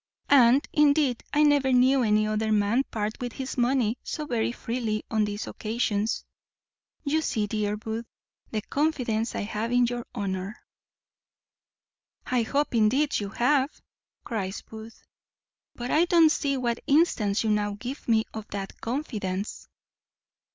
And, indeed, I never knew any other man part with his money so very freely on these occasions. You see, dear Booth, the confidence I have in your honour." "I hope, indeed, you have," cries Booth, "but I don't see what instance you now give me of that confidence."